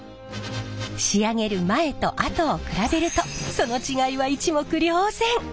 仕上げる前と後を比べるとその違いは一目瞭然！